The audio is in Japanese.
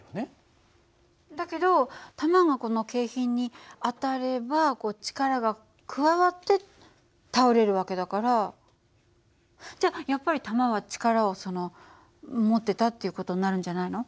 だけど弾がこの景品に当たればこう力が加わって倒れる訳だからじゃやっぱり弾は力をその持ってたっていう事になるんじゃないの？